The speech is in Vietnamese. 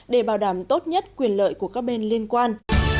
để bảo đảm tốt nhất quyền lợi của các bên liên quan